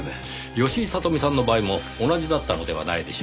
吉井聡美さんの場合も同じだったのではないでしょうか。